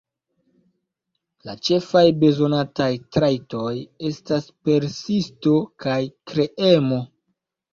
La ĉefaj bezonataj trajtoj estas persisto kaj kreemo.